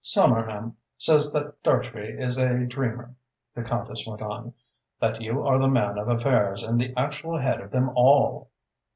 "Somerham says that Dartrey is a dreamer," the Countess went on, "that you are the man of affairs and the actual head of them all."